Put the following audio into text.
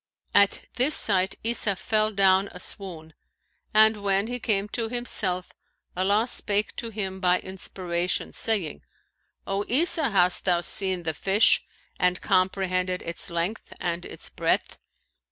At this sight Isa fell down aswoon, and when he came to himself, Allah spake to him by inspiration, saying, 'O Isa, hast thou seen the fish and comprehended its length and its breadth?'